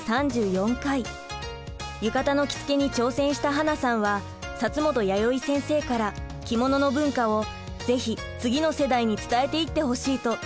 浴衣の着付けに挑戦した英さんは本弥生先生から着物の文化を是非次の世代に伝えていってほしいと託されました。